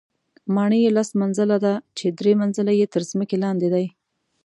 ماڼۍ یې لس منزله ده چې درې منزله یې تر ځمکې لاندې دي.